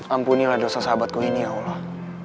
ampunilah dosa sahabatku ini ya allah